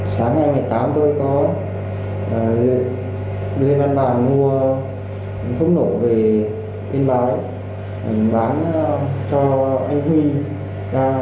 sáng nay một mươi tám tôi có đưa lên bàn bàn mua thuốc nổ về yên bái bán cho anh huy